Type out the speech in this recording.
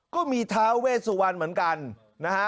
ก็มีท้าเวสวรรณเหมือนกันนะฮะ